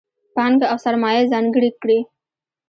پانګه او سرمایه ځانګړې کړي.